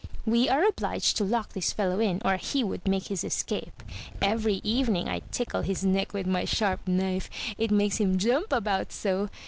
"We are obliged to lock this fellow in, or he would make his escape. Every evening I tickle his neck with my sharp knife; it makes him jump about so!"